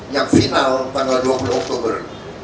yang final tanggal dua puluh oktober